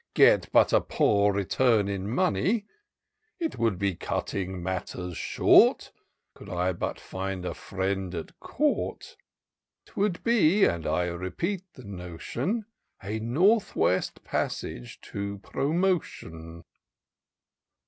Get but a poor return in money* It would be cutting matters short. Could I but get a friend at court : 'Twould be, and I repeat the notion, A North West passage to promotion."